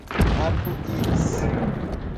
Arco-Íris